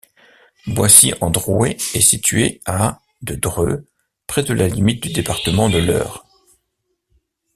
Boissy-en-Drouais est situé à de Dreux, près de la limite du département de l'Eure.